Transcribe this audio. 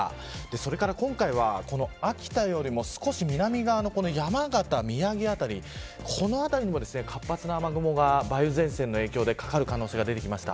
そして今回は秋田よりも少し南側の山形、宮城辺りこの辺りでも活発な雨雲が梅雨前線の影響でかかる可能性が出てきました。